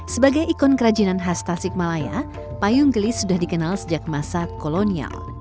sebagai ikon kerajinan khas tasik malaya payung gelis sudah dikenal sejak masa kolonial